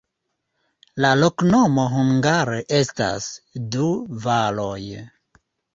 La loknomo hungare estas: du valoj.